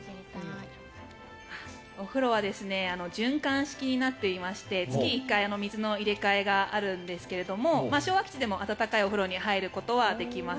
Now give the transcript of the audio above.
お風呂は循環式になっていまして月１回水の入れ替えがあるんですが昭和基地でも温かいお風呂に入ることはできます。